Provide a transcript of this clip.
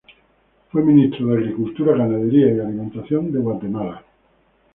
Fue Ministro de Agricultura, Ganadería y Alimentación de Guatemala, durante.